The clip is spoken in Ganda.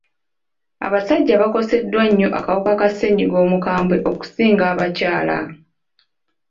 Abasajja bakoseddwa nnyo akawuka ka ssennyiga omukambwe okusinga abakyala.